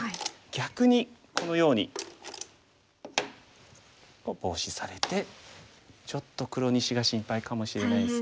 逆にこのようにボウシされてちょっと黒２子が心配かもしれないです。